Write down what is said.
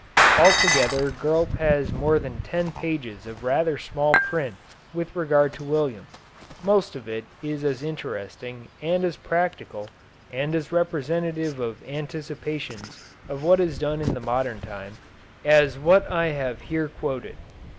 Altogether Gurlt has more than ten pages of rather small print with regard to William; most of it is as interesting and as practical and as representative of anticipations of what is done in the modern time as what I have here quoted.